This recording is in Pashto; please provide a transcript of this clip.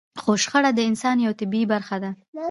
خو شخړه د انسان يوه طبيعي برخه ده.